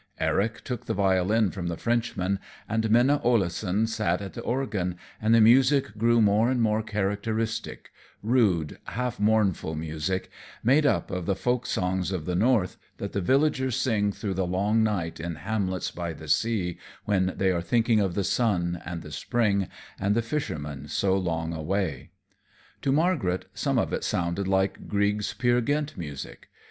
Eric took the violin from the Frenchman, and Minna Oleson sat at the organ, and the music grew more and more characteristic rude, half mournful music, made up of the folk songs of the North, that the villagers sing through the long night in hamlets by the sea, when they are thinking of the sun, and the spring, and the fishermen so long away. To Margaret some of it sounded like Grieg's Peer Gynt music.